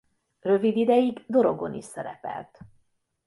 Rövid ideig Dorogon is szerepelt.